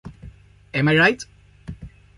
Am I Right?